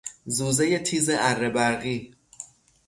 زوزهی تیز اره برقی